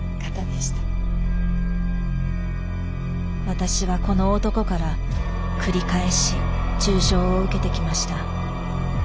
私はこの男から繰り返し中傷を受けてきました。